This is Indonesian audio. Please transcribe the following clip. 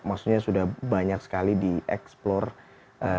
maksudnya sudah banyak sekali di explore